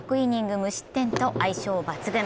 無失点と相性抜群。